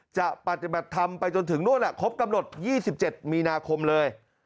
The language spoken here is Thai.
จะปฏิบัติธรรมไปจนถึงนู่นแหละครบกำหนด๒๗มีนาคมเลย